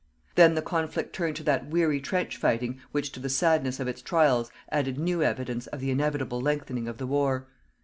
Then the conflict turned to that weary trench fighting which to the sadness of its trials added new evidence of the inevitable lengthening of the war.